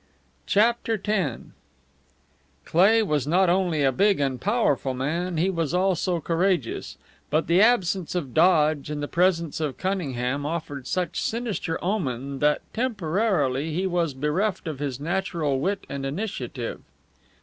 CHAPTER X Cleigh was not only a big and powerful man he was also courageous, but the absence of Dodge and the presence of Cunningham offered such sinister omen that temporarily he was bereft of his natural wit and initiative.